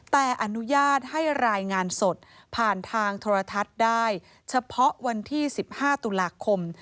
แต่อนุญาตให้รายงานสดผ่านทางโทรทัศน์ได้เฉพาะวันที่๑๕ตุลาคม